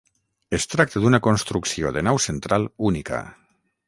Es tracta d'una construcció de nau central única.